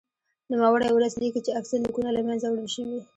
نوموړی مورخ لیکي چې اکثر لیکونه له منځه وړل شوي.